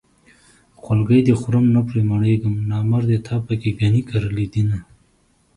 خولګۍ دې خورم نه پرې مړېږم نامردې تا پکې ګني کرلي دينه